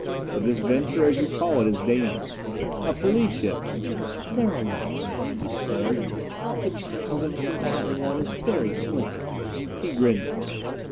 But this venture, as you call it, is dangerous. A police ship " "There are not many," he declared. "The chances of us encountering one is very slim." He grinned at me.